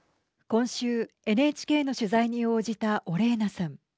今週、ＮＨＫの取材に応じたオレーナさん。